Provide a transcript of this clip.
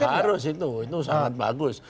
harus itu itu sangat bagus